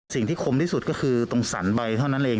คมที่สุดก็คือตรงสรรใบเท่านั้นเอง